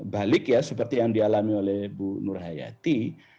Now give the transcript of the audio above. balik ya seperti yang dialami oleh bu nur hayati